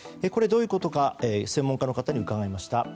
これ、どういうことか専門家の方に伺いました。